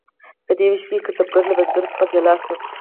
په دې ویش کې کسبګر له بزګر څخه جلا شو.